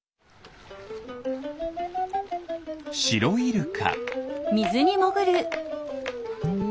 シロイルカ。